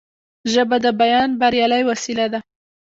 ژبه د بیان بریالۍ وسیله ده